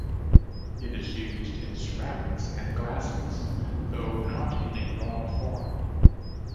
It is used in ceramics and glasses, though not in a raw form.